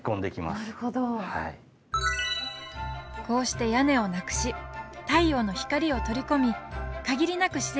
こうして屋根をなくし太陽の光を取り込み限りなく